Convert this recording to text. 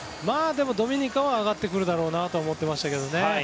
でもドミニカは上がってくると思ってましたね。